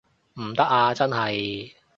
唔得啊真係